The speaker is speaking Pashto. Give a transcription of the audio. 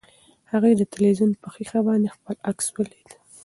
هغې د تلویزیون په ښیښه باندې خپل عکس ولید.